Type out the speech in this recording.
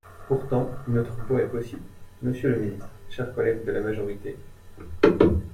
Pourtant, une autre voie est possible, monsieur le ministre, chers collègues de la majorité.